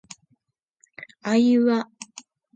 あいうあ